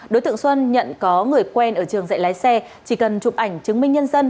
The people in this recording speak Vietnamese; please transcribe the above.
đối tượng xuân nhận có người quen ở trường dạy lái xe chỉ cần chụp ảnh chứng minh nhân dân